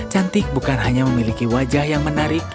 cantik bukan hanya memiliki wajah yang menarik